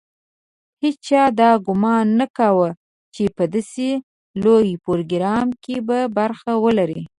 هېچا دا ګومان نه کاوه چې په داسې لوی پروګرام کې به برخه ولري.